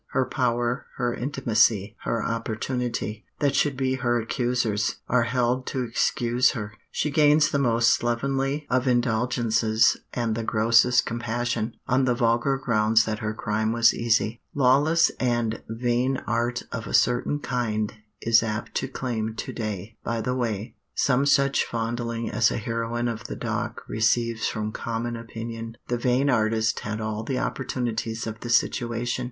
Her power, her intimacy, her opportunity, that should be her accusers, are held to excuse her. She gains the most slovenly of indulgences and the grossest compassion, on the vulgar grounds that her crime was easy. Lawless and vain art of a certain kind is apt to claim to day, by the way, some such fondling as a heroine of the dock receives from common opinion. The vain artist had all the opportunities of the situation.